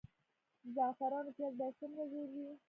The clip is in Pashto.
د زعفرانو پیاز باید څومره ژور وي؟